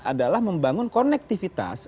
adalah membangun konektivitas